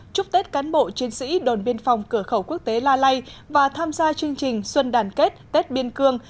chúc tết cán bộ chiến sĩ đồn biên phòng cửa khẩu quốc tế la lai và tham gia chương trình xuân đàn kết tết biên cương